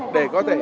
để có thể